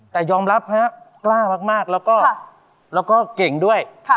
แต่ยอมรับฮะกล้ามากแล้วก็เก่งด้วย